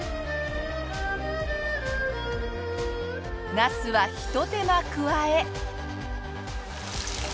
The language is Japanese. ナスはひと手間加え。